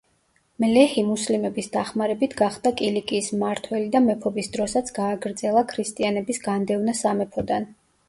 მლეჰი მუსლიმების დახმარებით გახდა კილიკიის მმართველი და მეფობის დროსაც გააგრძელა ქრისტიანების განდევნა სამეფოდან.